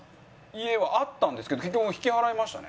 家はあったんですけど引き払いましたね。